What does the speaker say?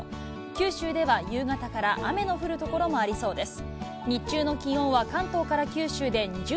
九州では夕方から雨の降る所もありそうです。